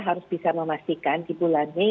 harus bisa memastikan di bulan mei